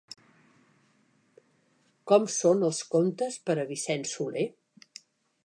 Com són els comptes per a Vicent Soler?